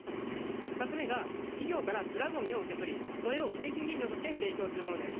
２つ目が企業からプラゴミを受け取りそれを製品原料として提供するものです。